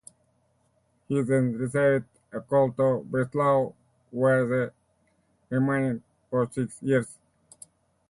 He then received a call to Breslau, where he remained for six years.